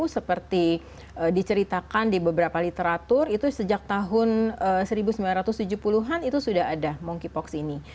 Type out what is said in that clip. seperti diceritakan di beberapa literatur itu sejak tahun seribu sembilan ratus tujuh puluh an itu sudah ada monkeypox ini